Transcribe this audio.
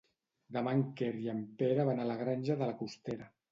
Demà en Quer i en Pere van a la Granja de la Costera.